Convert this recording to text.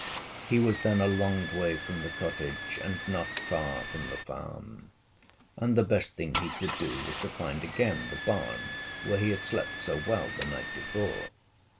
He was then a long way from the cottage, and not far from the farm; and the best thing he could do was to find again the barn where he had slept so well the night before.